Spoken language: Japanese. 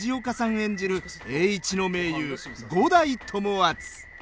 演じる栄一の盟友五代友厚。